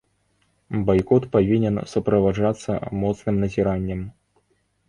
Байкот павінен суправаджацца моцным назіраннем.